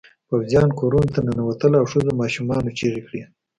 پوځيان کورونو ته ننوتل او ښځو ماشومانو چیغې کړې.